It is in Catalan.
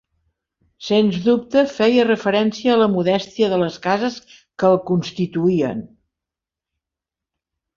Sens dubte feia referència a la modèstia de les cases que el constituïen.